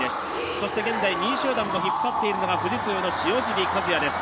そして現在２位集団を引っ張っているのが富士通の塩尻和也です。